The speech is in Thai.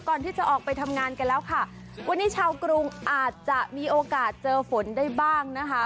ก่อนที่จะออกไปทำงานกันแล้วค่ะวันนี้ชาวกรุงอาจจะมีโอกาสเจอฝนได้บ้างนะคะ